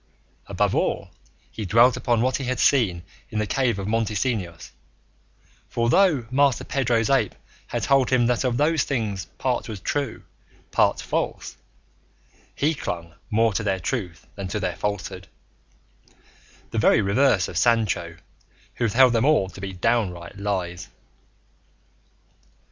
Above all, he dwelt upon what he had seen in the cave of Montesinos; for though Master Pedro's ape had told him that of those things part was true, part false, he clung more to their truth than to their falsehood, the very reverse of Sancho, who held them all to be downright lies.